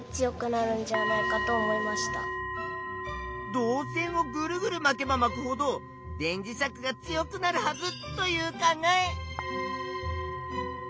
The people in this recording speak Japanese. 導線をぐるぐるまけばまくほど電磁石が強くなるはずという考え。